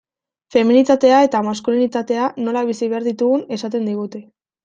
Feminitatea eta maskulinitatea nola bizi behar ditugun esaten digute.